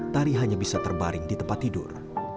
tari hanya bisa terbaring di tempat tidur